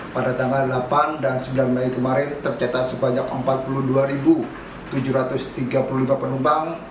pada tanggal delapan dan sembilan mei kemarin tercatat sebanyak empat puluh dua tujuh ratus tiga puluh lima penumpang